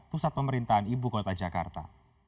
pusat pemerintahan ibu kota jakarta